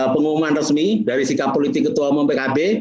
pengumuman resmi dari sikap politik ketua umum pkb